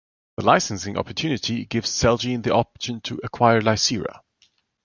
The licensing opportunity gives Celgene the option to acquire Lycera.